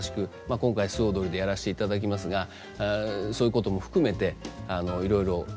今回素踊りでやらせていただきますがそういうことも含めていろいろ考えを巡らせたところです。